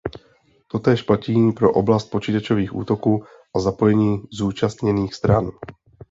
Totéž platí pro oblast počítačových útoků a zapojení zúčastněných stran.